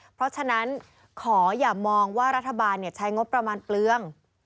เพราะฉะนั้นขออย่ามองว่ารัฐบาลใช้งบประมาณเปลือง